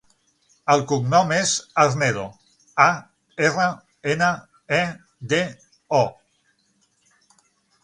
El cognom és Arnedo: a, erra, ena, e, de, o.